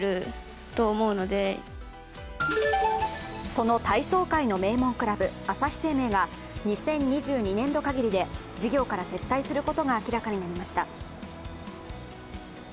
その体操界の名門クラブ朝日生命が２０２２年度かぎりで事業から撤退することが明らかになりました。